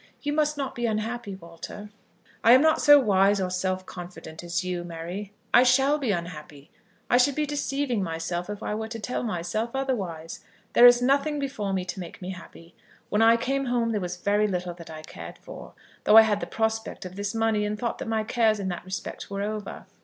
You must not be unhappy, Walter." "I am not so wise or self confident as you, Mary. I shall be unhappy. I should be deceiving myself if I were to tell myself otherwise. There is nothing before me to make me happy. When I came home there was very little that I cared for, though I had the prospect of this money and thought that my cares in that respect were over.